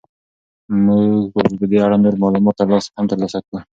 موږ به په دې اړه نور معلومات هم ترلاسه کړو.